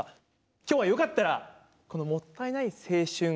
きょうは、よかったらこの「もったいない青春」